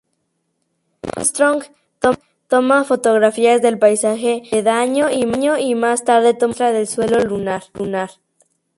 Armstrong toma fotografías del paisaje aledaño y más tarde toma muestras del suelo lunar.